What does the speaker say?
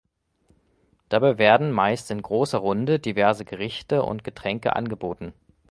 Dabei werden meist in großer Runde diverse Gerichte und Getränke angeboten.